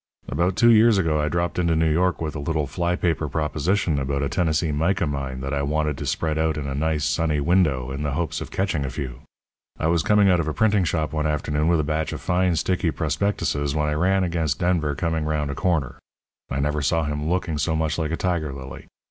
"About two years ago I dropped into New York with a little fly paper proposition about a Tennessee mica mine that I wanted to spread out in a nice, sunny window, in the hopes of catching a few. I was coming out of a printing shop one afternoon with a batch of fine, sticky prospectuses when I ran against Denver coming round a corner. I never saw him looking so much like a tiger lily.